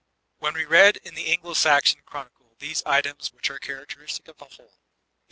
When we read in the Anglo Saxon Chronicle these items 'which are characteristic of the whole: "A.